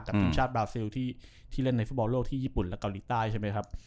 ทีมชาติบราซิลที่เล่นในฟุตบอลโลกที่ญี่ปุ่นและเกาหลีใต้ใช่ไหมครับ